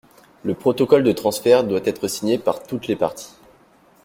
Le protocole de transfert doit être signé par toutes les parties.